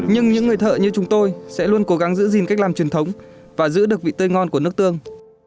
nhưng những người thợ như chúng tôi sẽ luôn cố gắng giữ gìn cách làm truyền thống và giữ được vị tươi ngon của nước tương